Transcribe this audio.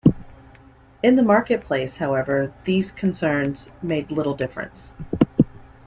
In the marketplace, however, these concerns made little difference.